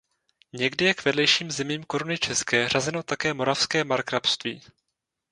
Někdy je k vedlejším zemím Koruny české řazeno také Moravské markrabství.